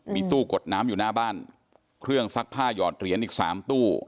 มีตู้กดน้ำอยู่หน้าบ้านเครื่องซักผ้าหยอดเหรียญอีกสามตู้